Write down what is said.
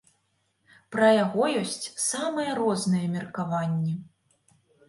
Пра яго ёсць самыя розныя меркаванні.